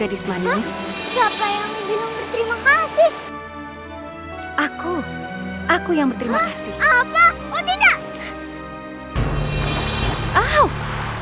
apa oh tidak